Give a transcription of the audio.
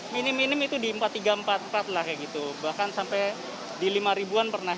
minim minim itu di empat tiga ratus empat empat ratus lah kayak gitu bahkan sampai di lima an pernah